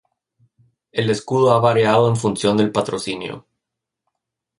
El escudo ha variado en función del patrocinio.